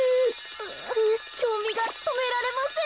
きょうみがとめられません。